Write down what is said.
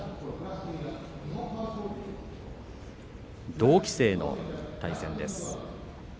同期生の対戦です。